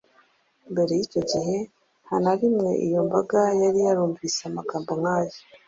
Mbere y’icyo gihe nta na rimwe iyo mbaga yari yarumvise amagambo nk’aya